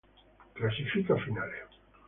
Classifica finale